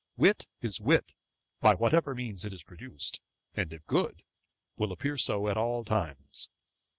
Wit is wit, by whatever means it is produced; and, if good, will appear so at all times.